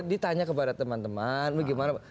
ditanya kepada teman teman bagaimana